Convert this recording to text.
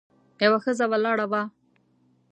یوه ښځه ولاړه وه.